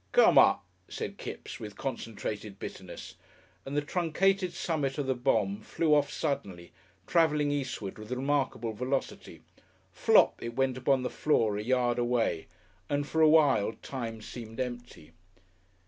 "Come up!" said Kipps, with concentrated bitterness, and the truncated summit of the bombe flew off suddenly, travelling eastward with remarkable velocity. Flop, it went upon the floor a yard away, and for awhile time seemed empty.